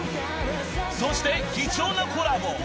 ［そして貴重なコラボ実現。